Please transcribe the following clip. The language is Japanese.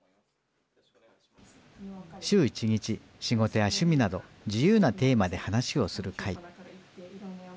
週１日、仕事や趣味など自由なテーマで話をする会。